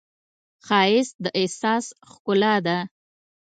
ښایست د احساس ښکلا ده